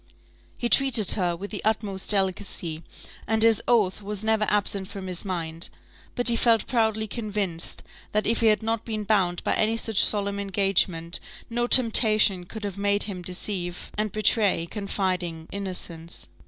He treated her with the utmost delicacy, and his oath was never absent from his mind: but he felt proudly convinced, that if he had not been bound by any such solemn engagement, no temptation could have made him deceive and betray confiding innocence.